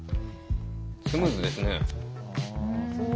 スムーズですね。